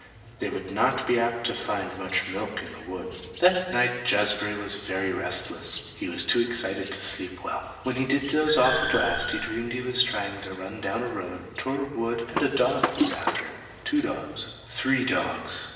They would not be apt to find much milk in the wood. That night Jazbury was very restless. He was too excited to sleep well. When he did doze off at last he dreamed he was trying to run down a road toward a wood and a dog was after him two dogs three dogs.